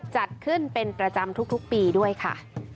จัดขึ้นเป็นประจำทุกปีด้วยค่ะ